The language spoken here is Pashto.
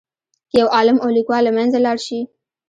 که یو عالم او لیکوال له منځه لاړ شي.